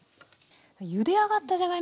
ゆで上がったじゃがいも